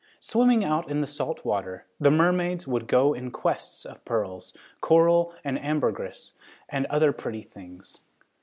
Swimming out in the salt water, the mermaids would go in quest of pearls, coral, ambergris and other pretty things.